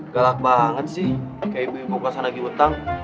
galak banget sih kayak ibu yang mau ke sana lagi utang